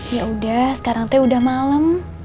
yaudah sekarang teh udah malem